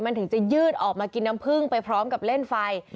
มันถึงจะยืดออกมากินน้ำผึ้งไปพร้อมกับเล่นไฟ